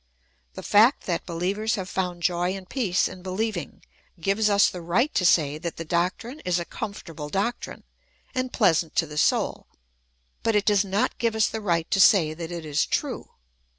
The fact that behevers have found joy and peace in beheving gives us the right to say that the doctrine is a comfortable doctrine, and pleasant to the soul ; but it does not give us the right to say that VOL. II. ^0 194 THE ETHICS OF BELIEF. it is true.